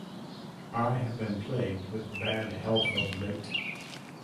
I have been plagued with bad health of late.